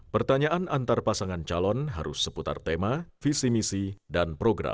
pertanyaan antar pasangan calon harus seputar tema visi misi dan program